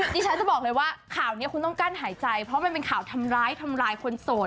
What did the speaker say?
ดิฉันจะบอกเลยว่าข่าวนี้คุณต้องกั้นหายใจเพราะมันเป็นข่าวทำร้ายทำร้ายคนโสด